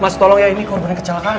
mas tolong ya ini korban kecelakaan